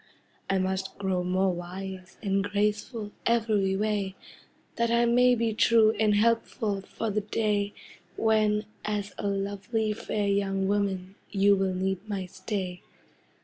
I must grow more wise and graceful Every way, That I may be true and helpful For the day When, as lovely fair young woman, You will need my stay.